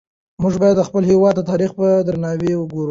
موږ باید د خپل هېواد تاریخ ته په درناوي وګورو.